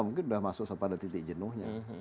mungkin sudah masuk pada titik jenuhnya